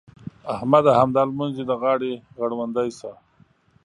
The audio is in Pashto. احمده! همدا لمونځ دې د غاړې غړوندی شه.